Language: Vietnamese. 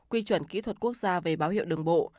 quy chuẩn kỹ thuật quốc gia về báo hiệu đường bộ